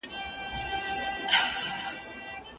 که زوی بېرته راسي، پلار به بل ځای وښيي.